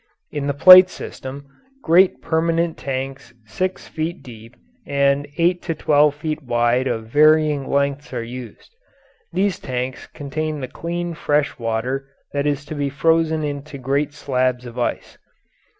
In the plate system, great permanent tanks six feet deep and eight to twelve feet wide and of varying lengths are used. These tanks contain the clean, fresh water that is to be frozen into great slabs of ice.